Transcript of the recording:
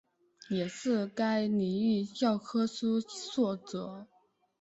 也是该领域教科书作者。